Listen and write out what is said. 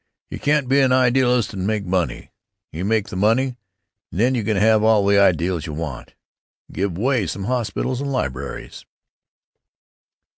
You can't be an idealist and make money. You make the money and then you can have all the ideals you want to, and give away some hospitals and libraries."